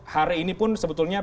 hari ini pun sebetulnya